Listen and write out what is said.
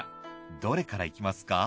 どれからいきますか？